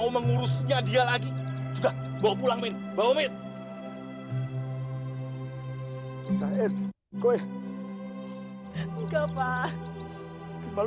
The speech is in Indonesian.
wah ini bisa